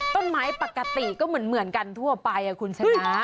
ต้นไม้ปกติก็เหมือนกันทั่วไปอ่ะคุณชนะ